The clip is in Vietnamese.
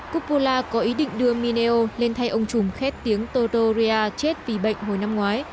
cupola có ý định đưa mineo lên thay ông chùm khét tiếng todoria chết vì bệnh hồi năm ngoái